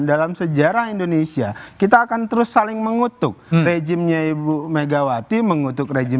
dalam sejarah indonesia kita akan terus saling mengutuk rejimnya ibu megawati mengutuk rejim